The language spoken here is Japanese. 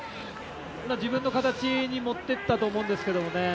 自分の形に持っていったと思うんですけどね。